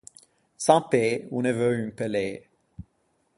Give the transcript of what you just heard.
San Pê o ne veu un pe lê.